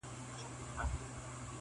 څو ورځي کېږي -